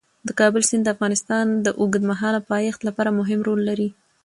د کابل سیند د افغانستان د اوږدمهاله پایښت لپاره مهم رول لري.